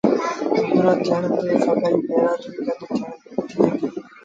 سُڀورو ٿيڻ تي سڀئيٚ برآدريٚ ڀيڙيٚ ٿئي ديٚ